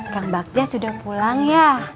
kang bagja sudah pulang ya